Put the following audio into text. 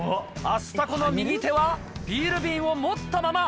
アスタコの右手はビール瓶を持ったまま。